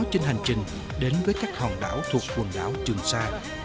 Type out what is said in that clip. trên hành trình đến với các hòn đảo thuộc quần đảo trường sa